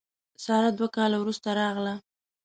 ساره دوه کاله وروسته راغله.